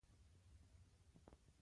هغه له پنجاب څخه تښتېدلی دی.